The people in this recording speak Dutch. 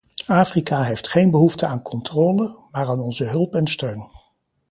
Afrika heeft geen behoefte aan controle, maar aan onze hulp en steun.